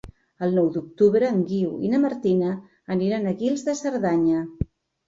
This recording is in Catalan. El nou d'octubre en Guiu i na Martina aniran a Guils de Cerdanya.